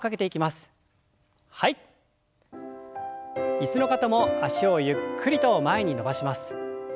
椅子の方も脚をゆっくりと前に伸ばします。